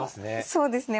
そうですね。